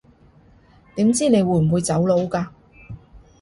點知你會唔會走佬㗎